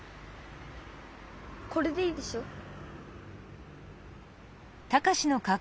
これでいいでしょ？